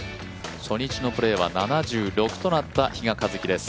初日のプレーは７６となった比嘉一貴です。